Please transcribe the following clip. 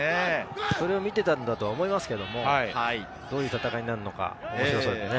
それを見ていたんだと思いますけども、どういう戦いになるのか。